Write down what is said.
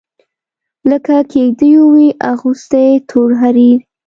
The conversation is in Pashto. لکه کیږدېو وي اغوستي تور حریر